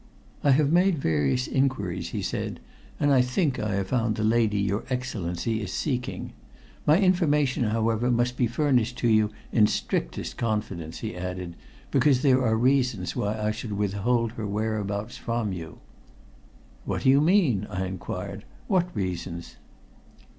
"I have made various inquiries," he said, "and I think I have found the lady your Excellency is seeking. My information, however, must be furnished to you in strictest confidence," he added, "because there are reasons why I should withhold her whereabouts from you." "What do you mean?" I inquired. "What reasons?"